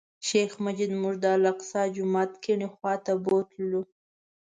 شیخ مجید موږ د الاقصی جومات کیڼې خوا ته بوتللو.